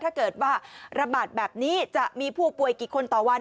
ถ้าเกิดว่าระบาดแบบนี้จะมีผู้ป่วยกี่คนต่อวัน